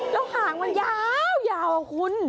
แล้วหางมันยาวอะคุณ